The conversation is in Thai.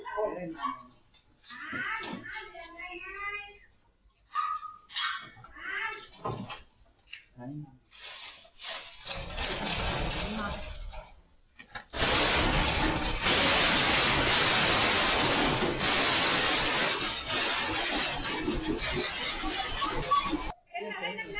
จะทิ้งละครับ